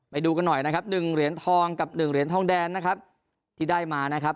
ไปดูกันหน่อย๑เหรียญทอง๑เหรียญทองแดงที่ได้มา